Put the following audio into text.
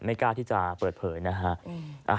กล้าที่จะเปิดเผยนะฮะ